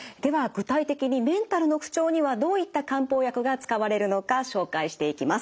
具体的にメンタルの不調にはどういった漢方薬が使われるのか紹介していきます。